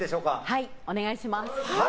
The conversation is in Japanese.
はい、お願いします。